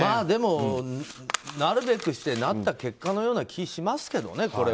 でも、なるべくしてなった結果のような気がしますけどね。